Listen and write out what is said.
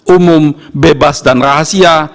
umum bebas dan rahasia